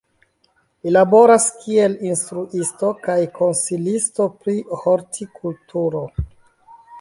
Li laboras kiel instruisto kaj konsilisto pri hortikulturo.